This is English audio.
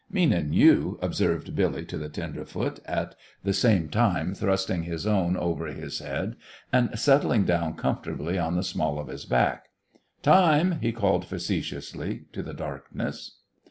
"Meanin' you," observed Billy to the tenderfoot, at the same time thrusting his own over his head and settling down comfortably on the small of his back. "Time!" he called, facetiously, to the darkness.